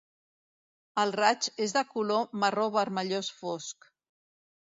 El raig és de color marró vermellós fosc.